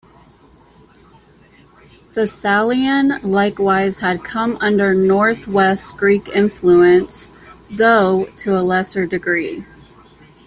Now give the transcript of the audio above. Thessalian likewise had come under Northwest Greek influence, though to a lesser degree.